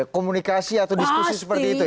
komunikasi atau diskusi seperti itu ya